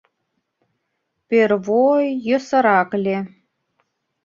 — Пӧрво-о-й йӧсырак ыле...